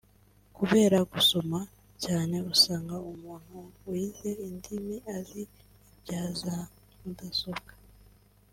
Kubera gusoma cyane usanga umuntu wize indimi azi ibya za mudasobwa